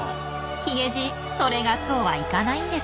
ヒゲじいそれがそうはいかないんですよ。